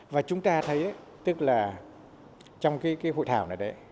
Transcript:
và chúng ta thấy tức là trong cái hội thảo này đấy